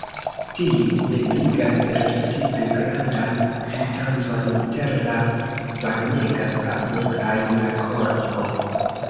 Tiuj ebligas relative grandan distancon inter la varmega sablo kaj la korpo.